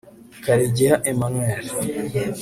Karegeya Emmanuel